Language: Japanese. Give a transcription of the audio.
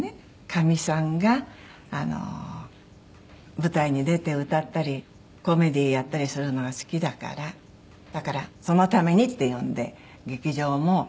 かみさんが舞台に出て歌ったりコメディーやったりするのが好きだからだからそのためにっていうんで劇場も。